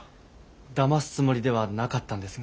だますつもりではなかったんですが。